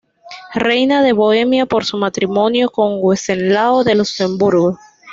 Reina de Bohemia por su matrimonio con Wenceslao de Luxemburgo.